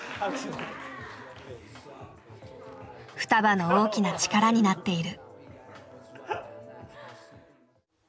ふたばの大きな力になっている。